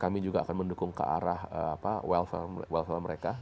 kami juga akan mendukung ke arah welfare mereka